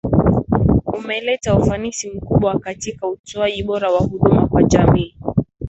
umeleta ufanisi mkubwa katika utoaji bora wa huduma kwa jamii